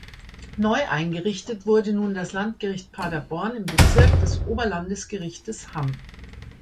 Neu eingerichtet wurde nun das Landgericht Paderborn im Bezirk des Oberlandesgerichtes Hamm.